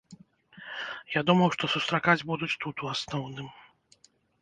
Я думаў, што сустракаць будуць тут ў асноўным.